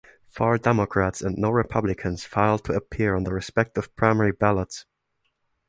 Four Democrats and no Republicans filed to appear on their respective primary ballots.